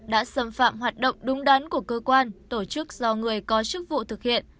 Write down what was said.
đã xâm phạm hoạt động đúng đắn của cơ quan tổ chức do người có chức vụ thực hiện